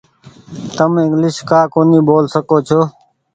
تم انگليش ڪآ ڪونيٚ ٻول سڪو ڇو۔